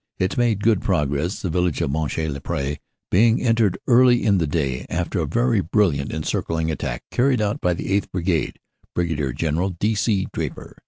It made good pro gress, the village of Monchy le Preux being entered early in the day, after a very brilliant encircling attack carried out by the 8th. Brigade (Brig. General D. C. Draper).